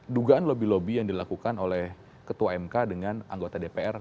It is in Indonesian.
dugaan lobby lobby yang dilakukan oleh ketua mk dengan anggota dpr